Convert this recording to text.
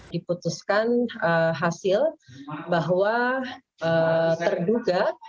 diputuskan hasil bahwa terduga